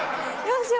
よし！